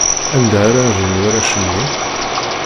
Anda ara rren warrac-nni?